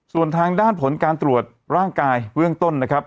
ส่วนทางด้านผลการตรวจร่างกายเบื้องต้นนะครับ